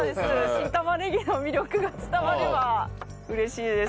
新玉ねぎの魅力が伝われば嬉しいです。